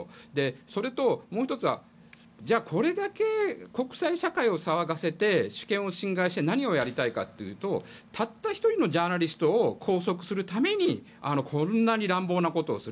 それと、もう１つはこれだけ国際社会を騒がせて主権を侵害して何をやりたいかというとたった１人のジャーナリストを拘束するためにこんなに乱暴なことをする。